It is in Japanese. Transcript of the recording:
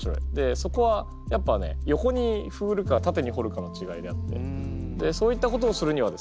そこはやっぱね横にふるか縦にほるかのちがいであってそういったことをするにはですね